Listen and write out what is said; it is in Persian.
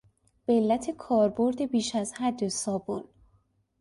به علت کاربرد بیش از حد صابون